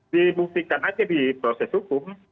dibuktikan aja di proses hukum